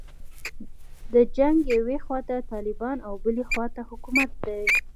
د جنګ یوې خواته طالبان او بلې خواته حکومت دی.